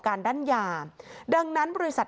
การดั้นยาดังนั้นบริษัท